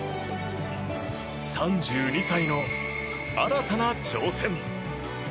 ３２歳の新たな挑戦。